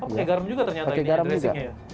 oh pakai garam juga ternyata ini dressingnya ya